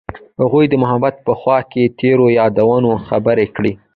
هغوی د محبت په خوا کې تیرو یادونو خبرې کړې.